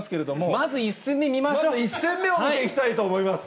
まず１戦目を見ていきたいと思います。